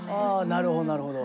なるほど。